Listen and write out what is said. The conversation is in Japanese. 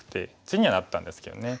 地にはなったんですけどね。